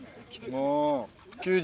もう。